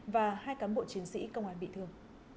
và hai cán bộ chiến sĩ công an bị thương